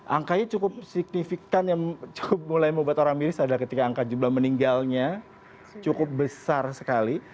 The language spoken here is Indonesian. angkanya cukup signifikan yang cukup mulai membuat orang miris adalah ketika angka jumlah meninggalnya cukup besar sekali